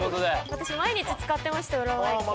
私毎日使ってましたよ浦和駅。